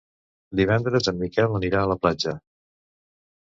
Divendres en Miquel anirà a la platja.